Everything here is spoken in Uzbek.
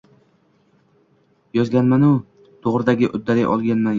– Yozganman-u, to‘g‘rirog‘i, uddalay olmaganman.